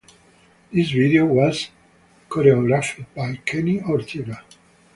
This video was choreographed by Kenny Ortega.